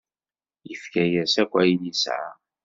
Yefka-yas akk ayen yesɛa.